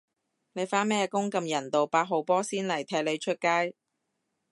你返咩工咁人道，八號波先嚟踢你出街